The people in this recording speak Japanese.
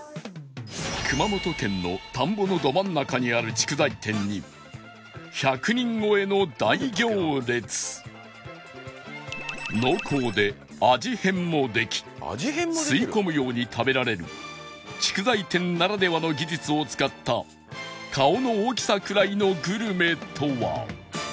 熊本県の田んぼのど真ん中にある濃厚で味変もでき吸い込むように食べられる竹材店ならではの技術を使った顔の大きさくらいのグルメとは？